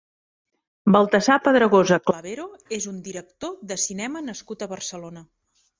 Baltasar Pedrosa Clavero és un director de cinema nascut a Barcelona.